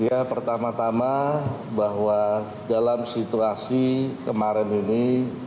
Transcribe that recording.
ya pertama tama bahwa dalam situasi kemarin ini